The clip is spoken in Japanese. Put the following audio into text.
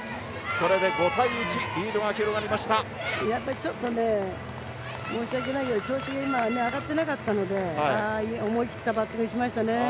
ちょっと申し訳ないけど調子がそんなに上がってなかったので思い切ったバッティングをしましたね。